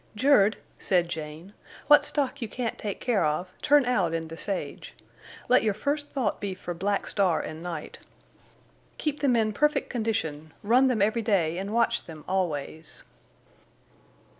"Jerd," said Jane, "what stock you can't take care of turn out in the sage. Let your first thought be for Black Star and Night. Keep them in perfect condition. Run them every day and watch them always."